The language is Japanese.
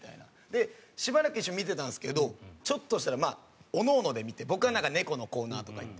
でしばらく一緒に見てたんですけどちょっとしたらおのおので見て僕はなんか猫のコーナーとか行って。